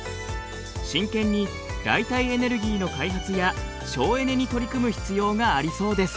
真剣に代替エネルギーの開発や省エネに取り組む必要がありそうです。